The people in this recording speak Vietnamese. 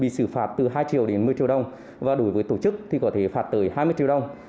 bị xử phạt từ hai triệu đến một mươi triệu đồng và đối với tổ chức thì có thể phạt tới hai mươi triệu đồng